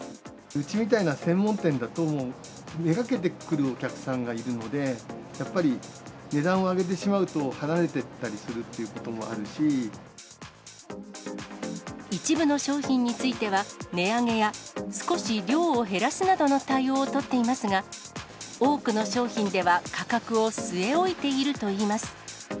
うちみたいな専門店だと、目がけて来るお客さんがいるので、やっぱり値段を上げてしまうと、一部の商品については、値上げや少し量を減らすなどの対応を取っていますが、多くの商品では価格を据え置いているといいます。